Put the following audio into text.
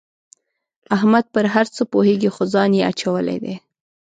احمد په هر څه پوهېږي خو ځان یې اچولی دی.